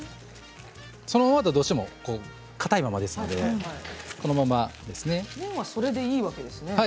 そのままだとどうしてもかたいままですので麺はそれでいいんですね。